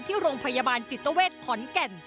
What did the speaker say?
ที่โรงพยาบาลจิตเวทขอนแก่น